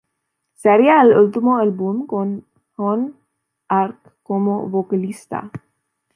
Sería el último álbum con John Arch como vocalista.